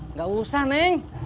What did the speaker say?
nggak usah neng